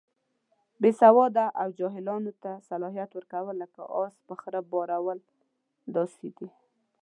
بې سواده او جاهلانو ته صلاحیت ورکول، لکه اس په خره بارول داسې دي.